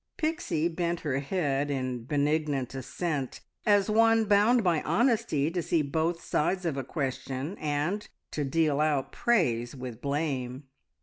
Pixie bent her head in benignant assent, as one bound by honesty to see both sides of a question and to deal out praise with blame.